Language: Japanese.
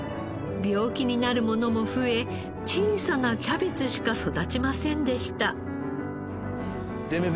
病気になるものも増え小さなキャベツしか育ちませんでした。